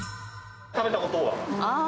食べたことは？ああ。